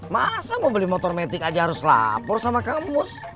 masa mau beli motor metik aja harus lapor sama kamus